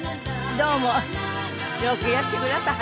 どうも。